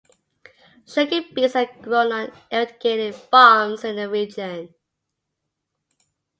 Sugar beets are grown on irrigated farms in the region.